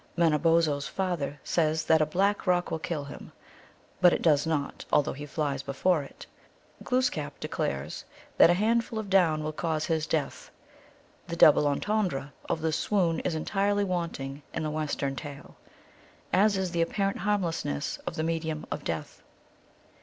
Manobozho s father so?/8 that a black rock will kill him ; but it does not, although he flies before it. Glooskap declares that a 110 THE ALGONQUIN LEGENDS. handful of down will cause his death. The double entendre of the swoon is entirely wanting in the West ern tale, as is the apparent harmlessness of the me dium of death.